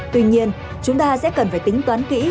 tuy nhiên chúng ta sẽ cần phải tính toán kỹ